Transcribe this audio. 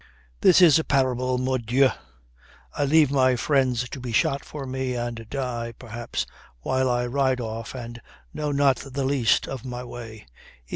"This is a parable, mordieu! I leave my friends to be shot for me and die, perhaps, while I ride off and know not the least of my way."